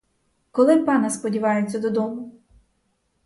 Коли пана сподіваються додому?